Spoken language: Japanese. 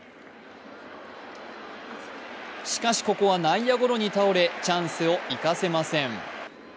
しかし、ここは内野ゴロに倒れ、チャンスを生かせません。